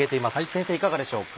先生いかがでしょうか？